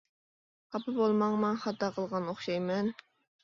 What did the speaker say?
خاپا بولماڭ، مەن خاتا قىلغان ئوخشايمەن.